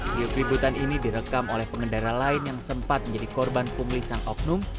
hiu keributan ini direkam oleh pengendara lain yang sempat menjadi korban pungli sang oknum